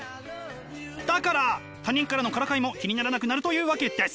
だから他人からのからかいも気にならなくなるというわけです！